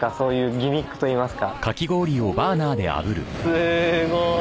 すごい。